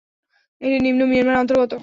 এটি নিন্ম মিয়ানমারের অন্তর্গত।